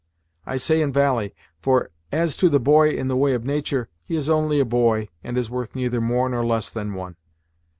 I say in valie, for as to the boy in the way of natur', he is only a boy, and is worth neither more nor less than one.